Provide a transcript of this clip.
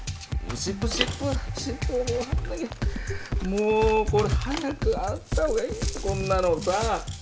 もうこれ早く貼ったほうがいいでしょこんなのさ。